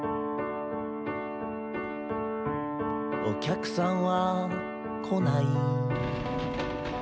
「お客さんはこない」